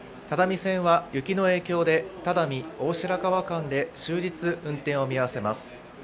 只見線は、雪の影響で、只見・大白川間で終日運転を見合わせます。